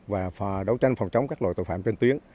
và đấu tranh phòng chống các loại tội phạm trên tuyến